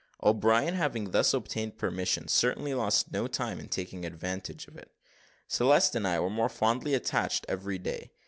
O'Brien having thus obtained permission, certainly lost no time in taking advantage of it. Celeste and I were more fondly attached every day.